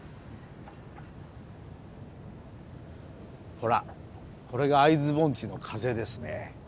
ほらこれが会津盆地の風ですね。